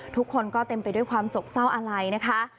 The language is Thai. ทุกคนก็เต็มไปด้วยความสกเศร้าอะไรนะคะ